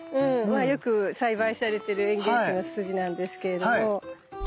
まあよく栽培されてる園芸種のツツジなんですけれども。